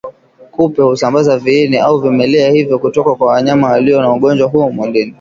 Kupe husambaza viini au vimelea hivyo kutoka kwa wanyama walio na ugonjwa huo mwilini